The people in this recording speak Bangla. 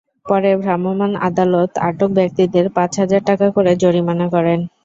পরে ভ্রাম্যমাণ আদালত আটক ব্যক্তিদের পাঁচ হাজার টাকা করে জরিমানা করেন।